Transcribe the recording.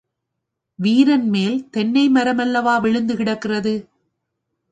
வீரன் மேல் தென்னை மரம் அல்லவா விழுந்து கிடக்கிறது!